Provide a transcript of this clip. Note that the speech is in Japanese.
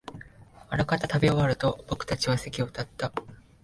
あらかた食べ終えると、僕たちは席を立った